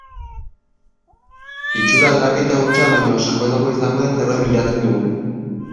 Itxura aldaketa hutsa baino sakonagoa izango den zerbait bilatzen dugu.